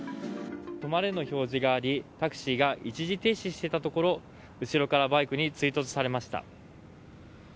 「止まれ」の表示がありタクシーが一時停止していたところ後ろからバイクに追突されました。